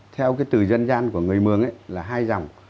theo cái từ dân gian của người mường ấy là hai dòng